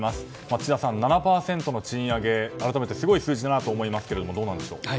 智田さん、７％の賃上げ改めてすごい数字だなと思いますがどうなんでしょう。